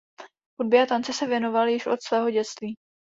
Hudbě a tanci se věnoval již od svého dětství.